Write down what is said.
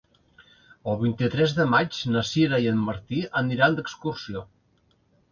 El vint-i-tres de maig na Sira i en Martí aniran d'excursió.